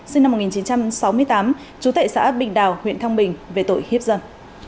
sinh năm một nghìn chín trăm sáu mươi tám chú tệ xã bình đào huyện thăng bình về tội hiếp dân